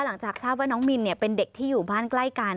หลังจากทราบว่าน้องมินเป็นเด็กที่อยู่บ้านใกล้กัน